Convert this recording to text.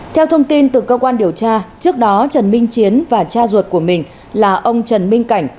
theo thông tin từ cơ quan điều tra trước đó trần minh chiến và cha ruột của mình là ông trần minh cảnh